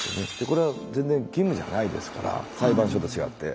これは全然義務じゃないですから裁判所と違って。